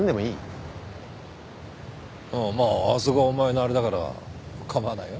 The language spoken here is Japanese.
まああそこはお前のあれだから構わないよ。